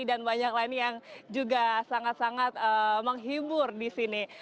dan banyak lainnya yang juga sangat sangat menghibur di sini